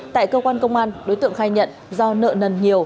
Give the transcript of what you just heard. tại cơ quan công an đối tượng khai nhận do nợ nần nhiều